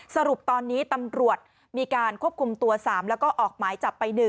สรุปตอนนี้ตำรวจมีการควบคุมตัว๓แล้วก็ออกหมายจับไป๑